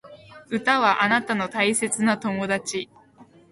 歌はあなたの大切な友達